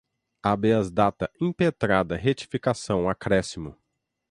habeas data, impetrada, retificação, acréscimo